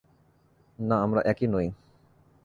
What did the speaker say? না, আমরা একই নই।